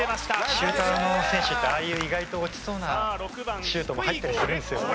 シューターの選手ってああいう意外と落ちそうなシュートもさあ６番低いゴール入ったりするんですよね